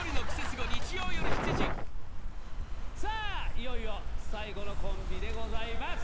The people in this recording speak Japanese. いよいよ最後のコンビでございます。